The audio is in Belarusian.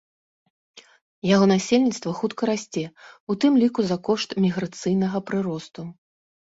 Яго насельніцтва хутка расце, у тым ліку за кошт міграцыйнага прыросту.